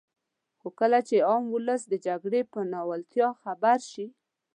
خو کله چې عام ولس د جګړې په ناولتیا خبر شي.